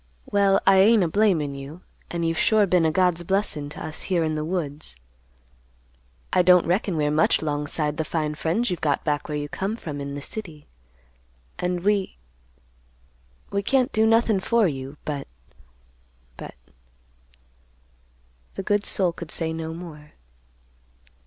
Well, I ain't a blamin' you; and you've sure been a God's blessin' to us here in the woods. I don't reckon we're much 'long 'side the fine friends you've got back where you come from in the city; and we—we can't do nothin' for you, but—but—" The good soul could say no more.